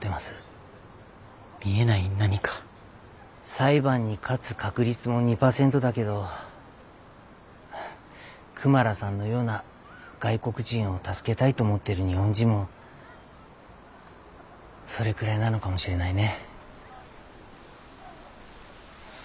裁判に勝つ確率も２％だけどクマラさんのような外国人を助けたいと思っている日本人もそれくらいなのかもしれないね。